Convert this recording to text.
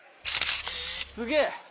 すげぇ！